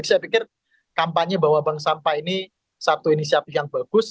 jadi saya pikir kampanye bahwa bank sampah ini satu inisiatif yang bagus